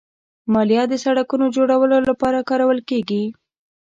مالیه د سړکونو جوړولو لپاره کارول کېږي.